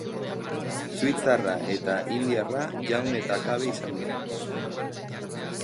Suitzarra eta indiarra jaun eta kabe izan dira.